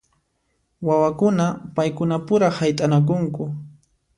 Wawakuna paykuna pura hayt'anakunku.